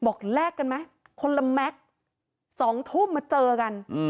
แลกกันไหมคนละแม็กซ์๒ทุ่มมาเจอกัน